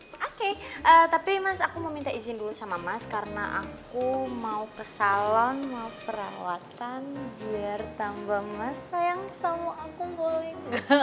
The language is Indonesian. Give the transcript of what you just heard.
oke tapi mas aku mau minta izin dulu sama mas karena aku mau ke salon mau perawatan biar tambah mas sayang sama aku golin